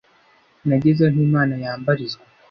Nageze aho Imana yambarizwa